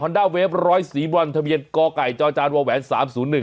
ฮอนดาเวฟร้อยสีวันธะเบียดกไก่จจานวงแหวน๓๐๑